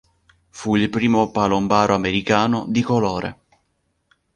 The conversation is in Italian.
Fu il primo palombaro americano di colore.